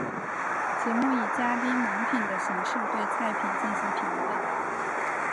节目以嘉宾盲品的形式对菜品进行评论。